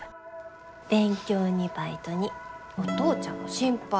勉強にバイトにお父ちゃんの心配